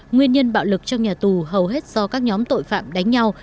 nguyên nhân bạo lực trong nhà tù hầu hết do các nhóm tội phạm đánh nhau